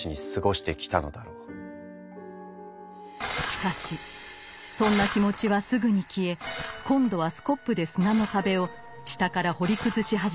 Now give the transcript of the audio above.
しかしそんな気持ちはすぐに消え今度はスコップで砂の壁を下から掘り崩し始めます。